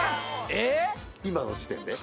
今の時点で？